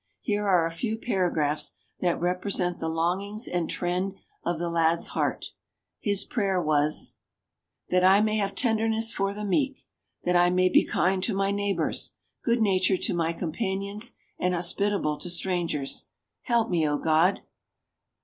Here are a few paragraphs that represent the longings and trend of the lad's heart. His prayer was: "That I may have tenderness for the meek; that I may be kind to my neighbors, good natured to my companions and hospitable to strangers. Help me, O God!